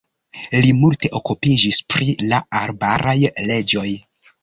Li multe okupiĝis pri la arbaraj leĝoj.